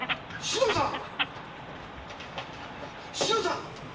志乃さん！